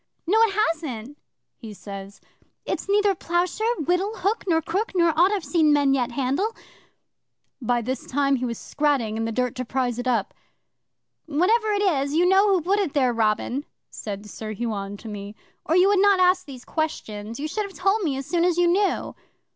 '"No, it hasn't," he says. "It's neither ploughshare, whittle, hook, nor crook, nor aught I've yet seen men handle." By this time he was scratting in the dirt to prise it up. '"Whatever it is, you know who put it there, Robin," said Sir Huon to me, "or you would not ask those questions. You should have told me as soon as you knew."